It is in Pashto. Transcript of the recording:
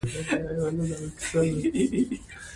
آن دا چي ځيني خو ګرسره پسخند په وهي.